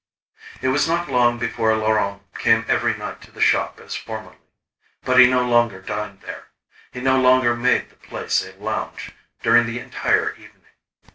It was not long before Laurent came every night to the shop as formerly. But he no longer dined there, he no longer made the place a lounge during the entire evening.